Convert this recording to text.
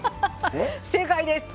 正解です！